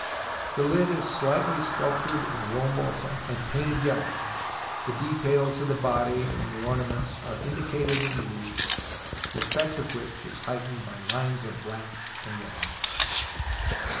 The lid is slightly sculptured en ronde bosse, and painted yellow. The details of the body and the ornaments are indicated in relief, the effect of which is heightened by lines of black and red.